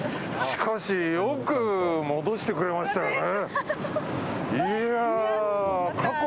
しかしよく戻してくれましたよね。